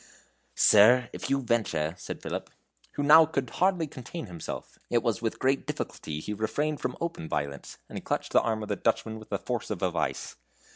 "Sir, if you venture," said Philip, who now could hardly contain himself. It was with great difficulty he refrained from open violence, and he clutched the arm of the Dutchman with the force of a vice.